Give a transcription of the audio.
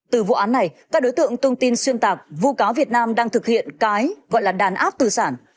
từ vụ án này các đối tượng thông tin xuyên tạp vụ cáo việt nam đang thực hiện cái gọi là đàn áp tư sản